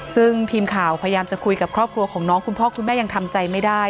ซึ่งทีมข่าวพยายามจะคุยกับครอบครัวของน้องคุณพ่อคุณแม่ยังทำใจไม่ได้